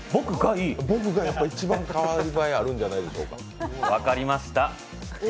僕が一番代わり映えあるんじゃないですか。